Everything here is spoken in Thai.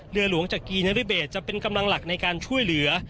เรือหลวงจักรีนริเบสจะเป็นกำลังหลักในการช่วยเหลือ